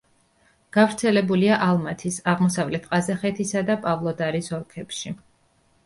გავრცელებულია ალმათის, აღმოსავლეთ ყაზახეთისა და პავლოდარის ოლქებში.